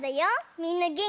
みんなげんき？